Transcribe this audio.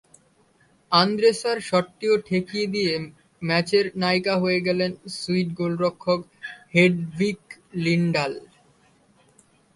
আন্দ্রেসার শটটিও ঠেকিয়ে দিয়ে ম্যাচের নায়িকা হয়ে গেছেন সুইড গোলরক্ষক হেডভিগ লিন্ডাল।